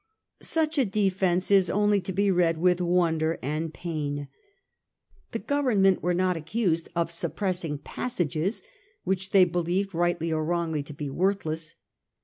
Such a defence is only to be read with wonder and pain. The 234 A. HISTOEY OF OUR OWN TIMES. OH. XI. Government were not accused .of suppressing pas sages which they believed rightly or wrongly to be worthless.